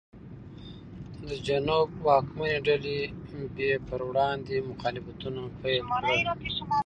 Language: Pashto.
د جنوب واکمنې ډلې یې پر وړاندې مخالفتونه پیل کړل.